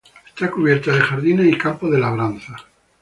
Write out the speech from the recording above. Está cubierta de jardines y campos de labranza.